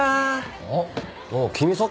あっ。